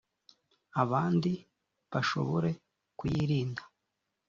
abandi bashobore kuyirinda